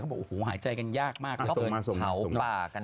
เขาบอกว่าหายใจกันยากมากเพราะเกินเผาบ้ากัน